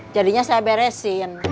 jadinya saya beresin